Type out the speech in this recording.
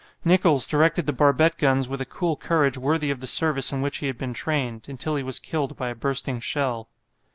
Nicholls directed the barbette guns with a cool courage worthy of the service in which he had been trained, until he was killed by a bursting shell.